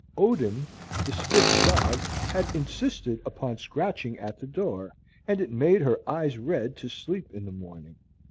Odin, the Spitz dog, had insisted upon scratching at the door. And it made her eyes red to sleep in the morning.